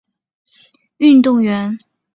朱光民朝鲜足球运动员。